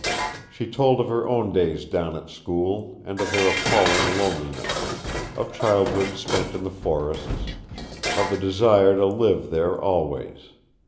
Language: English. She told of her own days down at school and of their appalling loneliness; of childhood spent in the forests; of the desire to live there always.